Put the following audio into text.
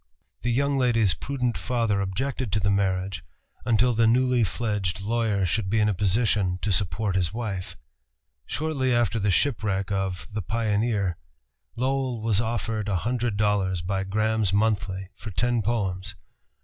The young lady's prudent father objected to the marriage until the newly fledged lawyer should be in a position to support a wife. Shortly after the shipwreck of The Pioneer, Lowell was offered a hundred dollars by Graham's Monthly for ten poems.